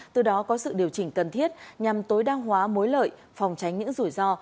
từ đó có sự điều chỉnh cần thiết nhằm tối đa hóa mối lợi phòng tránh những rủi ro